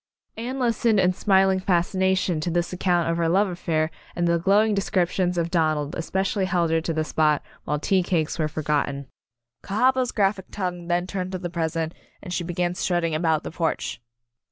Anne listened in smiling fascination to this account of her love affai'r and the glowing descriptions of Donald espe cially held her to the spot while tea cakes were forgotten. Cahaba's graphic tongue then turned to the present, and she began strutting about the porch.